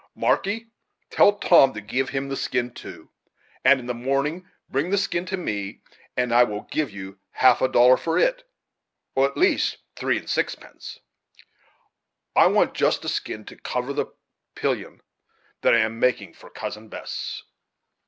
'Marky, tell Tom to give him the skin too, and in the morning bring the skin to me and I will give you half a dollar for it, or at least three and sixpence. I want just such a skin to cover the pillion that I am making for Cousin Bess."